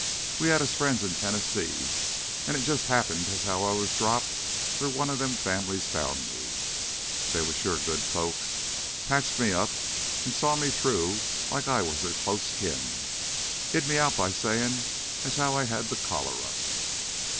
We had us friends in Tennessee, an' it jus' happened as how I was dropped where one of them families found me. They sure was good folks; patched me up an' saw me through like I was their close kin. Hid me out by sayin' as how I had th' cholera.